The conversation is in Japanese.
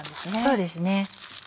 そうですね。